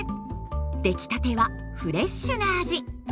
できたてはフレッシュな味。